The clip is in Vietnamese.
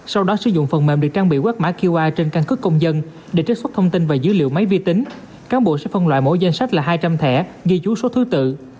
sau đó sử dụng phần mềm được trang bị quét mã qr trên căn cứ công dân để trích xuất thông tin và dữ liệu máy vi tính cán bộ sẽ phân loại mỗi danh sách là hai trăm linh thẻ ghi chú số thứ tự